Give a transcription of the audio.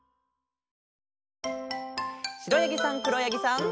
しろやぎさんくろやぎさん。